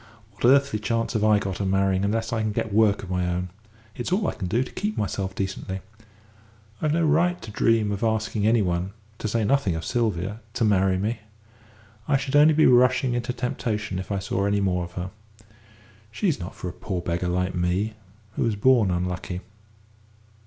What earthly chance have I got of marrying unless I can get work of my own? It's all I can do to keep myself decently. I've no right to dream of asking any one to say nothing of Sylvia to marry me. I should only be rushing into temptation if I saw any more of her. She's not for a poor beggar like me, who was born unlucky.